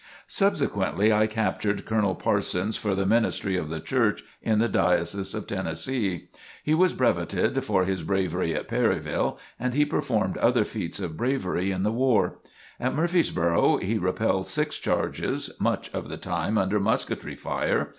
Subsequently I captured Colonel Parsons for the ministry of the Church in the Diocese of Tennessee. He was brevetted for his bravery at Perryville and he performed other feats of bravery in the war. At Murfreesboro he repelled six charges, much of the time under musketry fire.